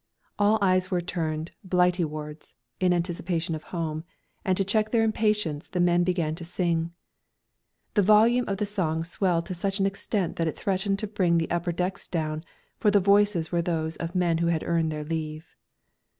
All eyes were turned "Blightywards" in anticipation of home, and to check their impatience the men began to sing. The volume of the song swelled to such an extent that it threatened to bring the upper decks down, for the voices were those of men who had earned their leave.